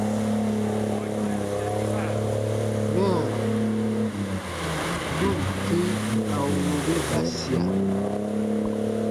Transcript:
Mɛya nu ǹ kĩ a wuu ge da sia.